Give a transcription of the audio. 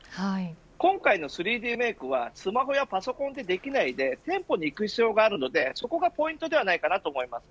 今回の３Ｄメイクはスマホやパソコンではできないので店舗に行く必要があるのでそこがポイントではないかなと思います。